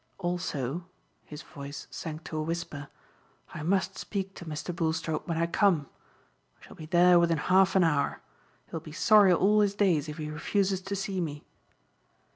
Also," his voice sank to a whisper, "I must speak to Mr. Bulstrode when I come. I shall be there within half an hour. He will be sorry all his days if he refuses to see me."